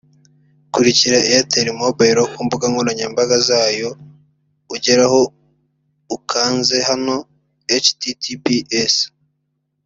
Kurikira itel mobile kumbuga nkoranyambaga zayo ugeraho ukanze hano https